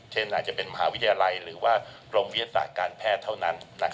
เช่นอาจจะเป็นมหาวิทยาลัยหรือว่ากรมวิทยาศาสตร์การแพทย์เท่านั้น